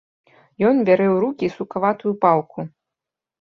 Ён бярэ ў рукі сукаватую палку.